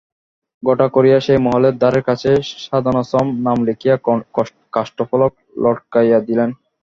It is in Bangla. ঘটা করিয়া সেই মহলের দ্বারের কাছে সাধনাশ্রম নাম লিখিয়া কাষ্ঠফলক লটকাইয়া দিলেন।